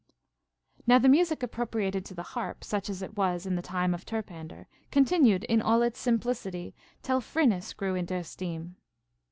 6. Now the music appropriated to the harp, such as it was in the time of Terpander, continued in all its sim plicity, till Phrynis grew into esteem.